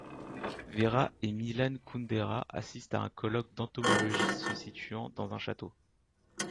Vera et Milan Kundera assistent à un colloque d'entomologiste se situant dans un château.